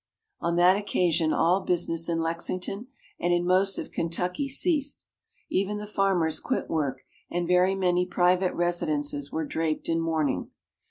On that occasion all business in Lexington, and in most of Kentucky, ceased. Even the farmers quit work, and very many private residences were draped in mourning.